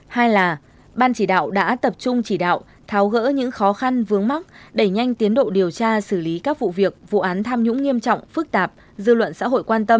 hai là ban chỉ đạo đã tập trung chỉ đạo tháo gỡ những khó khăn vướng mắt đẩy nhanh tiến độ điều tra xử lý các vụ việc vụ án tham nhũng nghiêm trọng phức tạp dư luận xã hội quan tâm